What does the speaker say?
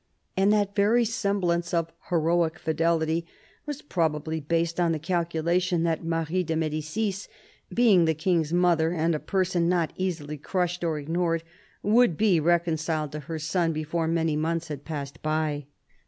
And that very semblance of heroic fidelity was probably based on the calculation that Marie de M^dicis, being the King's mother and a person not easily crushed or ignored, would be reconciled to her son before many months had passed by.